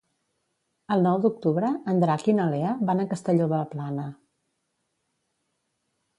El nou d'octubre en Drac i na Lea van a Castelló de la Plana.